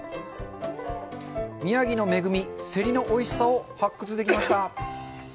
宮城の恵みせりのおいしさを発掘できました。